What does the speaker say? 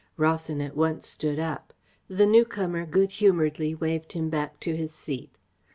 Rawson at once stood up. The newcomer good humouredly waved him back to his seat.